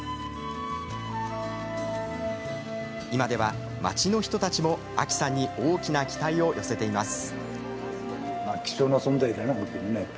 今では町の人たちも、亜紀さんに大きな期待を寄せています。